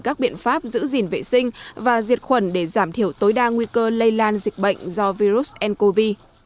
các biện pháp giữ gìn vệ sinh và diệt khuẩn để giảm thiểu tối đa nguy cơ lây lan dịch bệnh do virus ncov